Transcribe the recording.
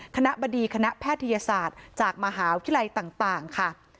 คณะบดีคณะแพทยศาสตร์จากมหาวิทยาลัยต่างค่ะ